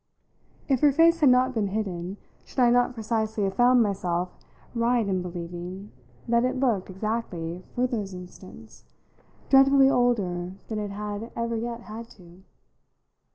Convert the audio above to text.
If her face had not been hidden, should I not precisely have found myself right in believing that it looked, exactly, for those instants, dreadfully older than it had ever yet had to?